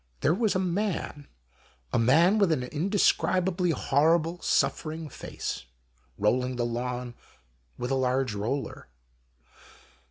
There was a man, a man with an indescrib ably horrible suffering face, rolling the lawn with a large roller.